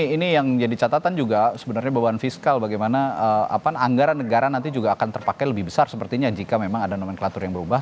ini yang jadi catatan juga sebenarnya beban fiskal bagaimana anggaran negara nanti juga akan terpakai lebih besar sepertinya jika memang ada nomenklatur yang berubah